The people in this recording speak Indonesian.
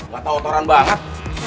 gatau otoran banget